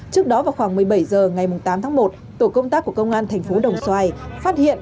trước đó vào khoảng một mươi bảy h ngày tám tháng một tổ công tác của công an thành phố đồng xoài phát hiện